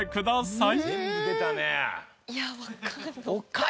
いやわかんない。